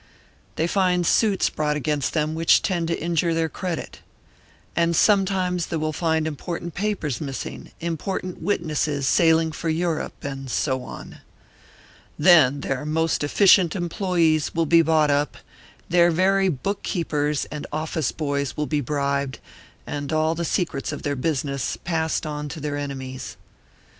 They find suits brought against them which tend to injure their credit. And sometimes they will find important papers missing, important witnesses sailing for Europe, and so on. Then their most efficient employees will be bought up; their very bookkeepers and office boys will be bribed, and all the secrets of their business passed on to their enemies.